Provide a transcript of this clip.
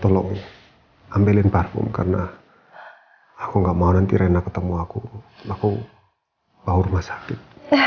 tolong ambilin parfum karena aku nggak mau nanti rena ketemu aku aku bawa rumah sakit